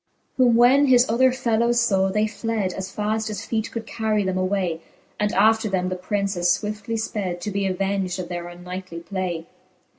Whom when his other fellowes favv, they fled As faft as feete could carry them away j And after them the Prince as fwiftly (ped,. To be aveng'd of their unknightly play.